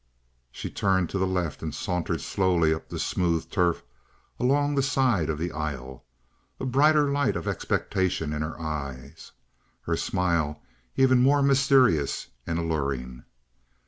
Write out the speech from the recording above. She turned to the left and sauntered slowly up the smooth turf along the side of the aisle, a brighter light of expectation in her eyes, her smile even more mysterious and alluring.